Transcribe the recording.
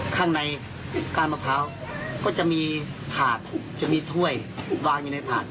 ข้างในก้านมะพร้าวก็จะมีถาดจะมีถ้วยวางอยู่ในถาด